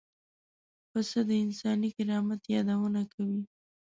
پسه د انساني کرامت یادونه کوي.